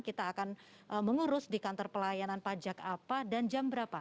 kita akan mengurus di kantor pelayanan pajak apa dan jam berapa